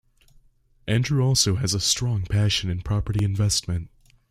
Andrew also has a strong passion in property investment.